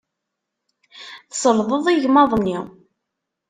Tselḍeḍ igmaḍ-nni.